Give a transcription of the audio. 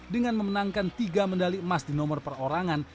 dengan memenangkan tiga medali emas di nomor perorangan